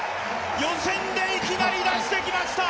予選でいきなり出してきました！